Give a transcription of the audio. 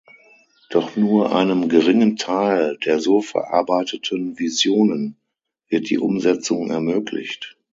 Doch nur einem geringen Teil der so verarbeiteten Visionen wird die Umsetzung ermöglicht.